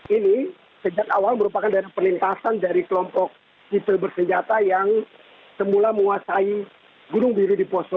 ini sejak awal merupakan daerah pelintasan dari kelompok sipil bersenjata yang semula menguasai gunung biru di poso